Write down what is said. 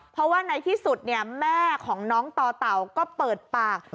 เพราะว่าในที่สุดแม่ของน้องต่อเต่าก็เปิดปาก